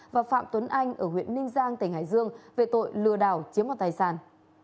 và phạm tuấn anh ở huyện ninh giang tỉnh hải dương về tội lừa đảo chiếm hoạt tài sản